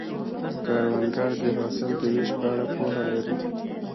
کروندګر د حاصل د ویش په اړه پوهه لري